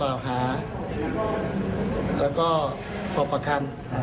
หรือช่องประคัน